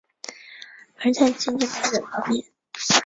而在经济发展方面。